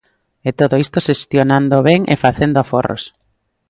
E todo isto xestionando ben e facendo aforros.